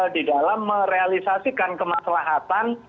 di dalam merealisasikan kemaslahatan